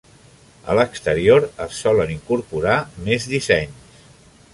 A l'exterior es solen incorporar més dissenys.